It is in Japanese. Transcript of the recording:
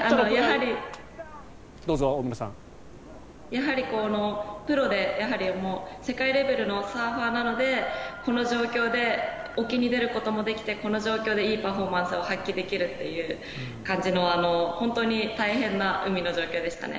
やはりプロで世界レベルのサーファーなのでこの状況で沖に出ることもできてこの状況でいいパフォーマンスを発揮できるという感じの本当に大変な海の状況でしたね。